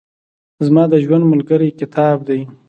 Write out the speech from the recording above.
زما د ژوند ملګری کتاب دئ.